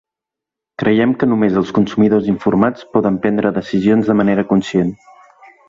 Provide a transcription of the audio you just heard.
Creiem que només els consumidors informats poden prendre decisions de manera conscient.